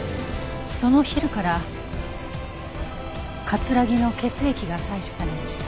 そのヒルから木の血液が採取されました。